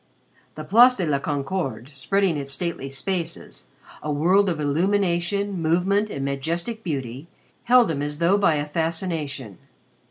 The Place de la Concorde spreading its stately spaces a world of illumination, movement, and majestic beauty held him as though by a fascination.